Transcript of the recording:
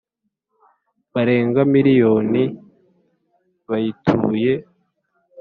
barenga miliyoni bayituye